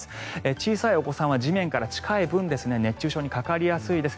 小さいお子さんは地面から近い分熱中症にかかりやすいです。